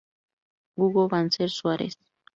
Hugo Banzer Suarez.